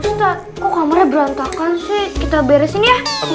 enggak kok kamarnya berantakan sih kita beresin ya